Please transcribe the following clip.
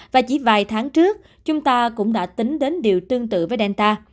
và chỉ vài tháng trước chúng ta cũng đã tính đến điều tương tự với delta